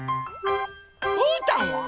うーたんは？